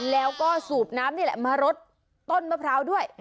แล้วก็สูบน้ำนี่แหละมารดต้นมะพร้าวด้วย